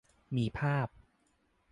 มีภาพ